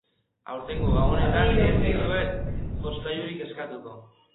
Aurtengo Gabonetan ez dizuet jostailurik eskatuko.